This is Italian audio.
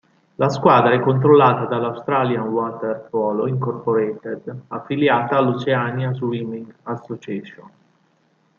La squadra è controllata dalla "Australian Water Polo Incorporated", affiliata all'Oceania Swimming Association.